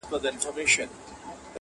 دې میدان کي د چا نه دی پوروړی!!